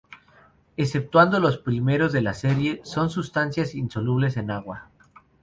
Exceptuando los primeros de la serie, son sustancias insolubles en agua.